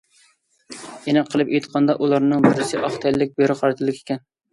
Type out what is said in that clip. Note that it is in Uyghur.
ئېنىق قىلىپ ئېيتقاندا ئۇلارنىڭ بىرسى ئاق تەنلىك بىرى قارا تەنلىك ئىكەن.